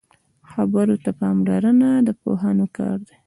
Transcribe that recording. خبرو ته پاملرنه د پوهانو کار دی